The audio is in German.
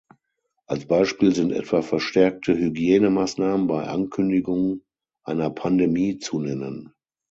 Als Beispiel sind etwa verstärkte Hygienemaßnahmen bei Ankündigung einer Pandemie zu nennen.